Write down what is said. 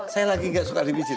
saya lagi gak suka dipijit